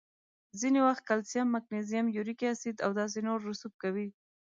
ځینې وخت کلسیم، مګنیزیم، یوریک اسید او داسې نور رسوب کوي.